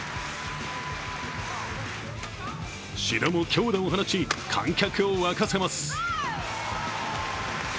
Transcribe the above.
志田も強打を放ち、観客を沸かせます。